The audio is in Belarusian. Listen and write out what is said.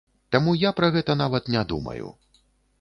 Таму я пра гэта нават не думаю.